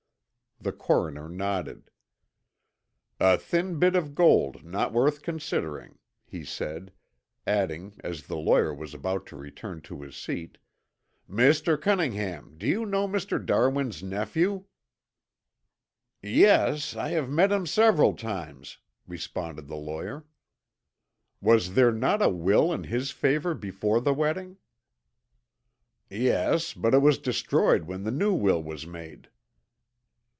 The coroner nodded. "A thin bit of gold not worth considering," he said, adding as the lawyer was about to return to his seat: "Mr. Cunningham, do you know Mr. Darwin's nephew?" "Yes, I have met him several times," responded the lawyer. "Was there not a will in his favor before the wedding?" "Yes, but it was destroyed when the new will was made."